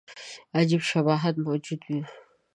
عجیب شباهت موجود وو.